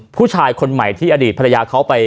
ผู้ชายคนใหม่ที่อดีตภรรยาเขาไป